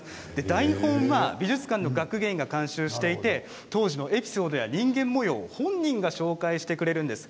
台本は美術館の学芸員が監修していて当時のエピソードや人間模様を本人が紹介してくれます。